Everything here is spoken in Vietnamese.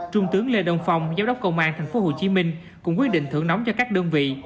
trung tướng lê đông phong giám đốc công an tp hcm cũng quyết định thưởng nóng cho các đơn vị